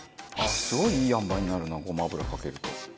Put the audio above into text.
すごいいいあんばいになるなごま油かけると。